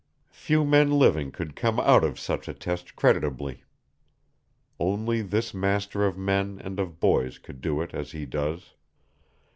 Few men living could come out of a such a test creditably; only this master of men and of boys could do it as he does.